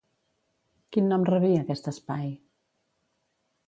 Quin nom rebia aquest espai?